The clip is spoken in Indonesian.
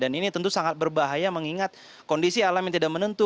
dan ini tentu sangat berbahaya mengingat kondisi alam yang tidak menentu